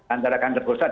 antara kanker perusahaan